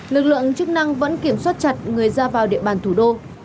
lực lượng chức năng vẫn kiểm soát chặt người ra vào địa bàn thủ đô